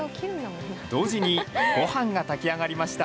同時に、ごはんが炊き上がりました。